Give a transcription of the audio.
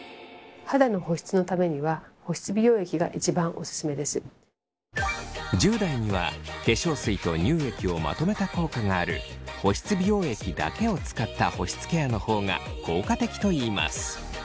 肌の保湿のためには１０代には化粧水と乳液をまとめた効果がある保湿美容液だけを使った保湿ケアの方が効果的といいます。